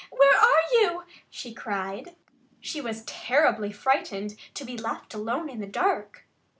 Where are you?" she cried. She was terribly frightened to be left alone in the dark.